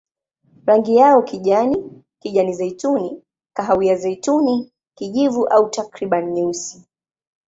Rangi yao kijani, kijani-zeituni, kahawia-zeituni, kijivu au takriban nyeusi.